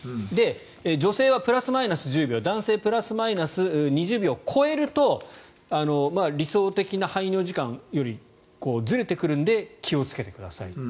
女性はプラスマイナス１０秒男性はプラスマイナス２０秒を超えると理想的な排尿時間よりずれてくるので気をつけてください。